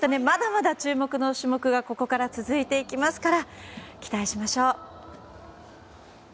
まだまだ注目の種目がここから続いていきますから期待しましょう。